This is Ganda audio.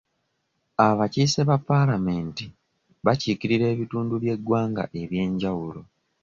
Abakiise ba paalamenti bakiikirira ebitundu by'eggwanga eby'enjawulo.